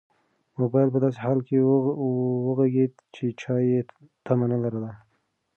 موبایل په داسې حال کې وغږېد چې چا یې تمه نه لرله.